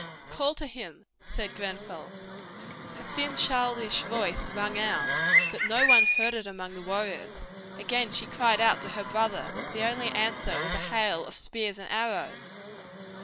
"Call to him," said Grenfell. Her thin childish voice rang out. But no one heard it among the warriors. Again she cried out to her brother. The only answer was a hail of spears and arrows.